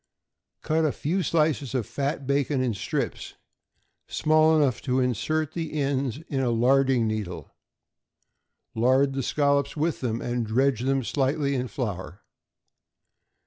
Cut a few slices of fat bacon in strips small enough to insert the ends in a larding needle; lard the scallops with them, and dredge them slightly with flour.